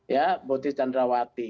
ya putri candrawati